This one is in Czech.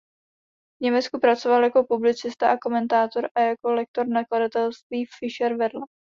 V Německu pracoval jako publicista a komentátor a jako lektor nakladatelství "Fischer Verlag".